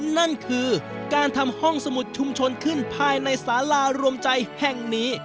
นั่นคือการทำห้องสมุดชุมชนขึ้นภายในสารารวมใจแห่งนี้